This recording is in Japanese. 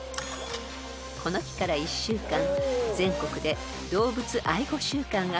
［この日から１週間全国で動物愛護週間が始まります］